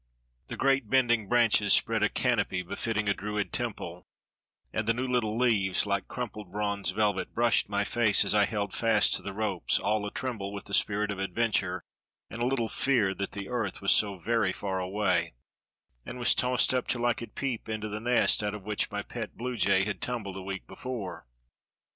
The great, bending branches spread a canopy befitting a Druid temple, and the new little leaves, like crumpled bronze velvet, brushed my face as I held fast to the ropes, all a tremble with the spirit of adventure and a little fear that the earth was so very far away, and was tossed up till I could peep into the nest out of which my pet blue jay had tumbled a week before.